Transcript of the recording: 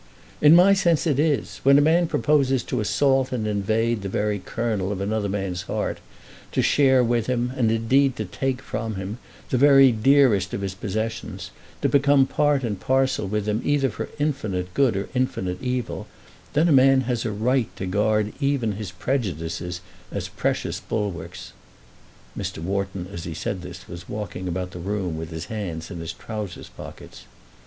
"In my sense it is. When a man proposes to assault and invade the very kernel of another man's heart, to share with him, and indeed to take from him, the very dearest of his possessions, to become part and parcel with him either for infinite good or infinite evil, then a man has a right to guard even his prejudices as precious bulwarks." Mr. Wharton as he said this was walking about the room with his hands in his trowsers pockets.